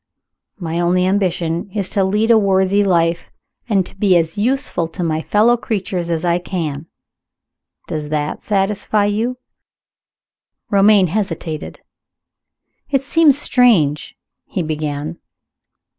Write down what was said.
"My only ambition is to lead a worthy life, and to be as useful to my fellow creatures as I can. Does that satisfy you?" Romayne hesitated. "It seems strange " he began.